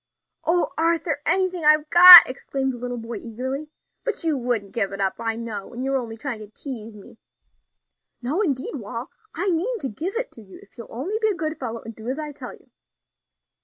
"O Arthur! anything I've got," exclaimed the little boy eagerly. "But you wouldn't give it up, I know, and you're only trying to tease me." "No, indeed, Wal; I mean to give it to you if you'll only be a good fellow and do as I tell you."